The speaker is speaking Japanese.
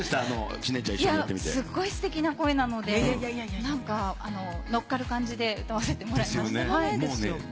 知念ちゃん、いや、すっごいすてきな声なので、なんか、乗っかる感じで歌わせてもらいました。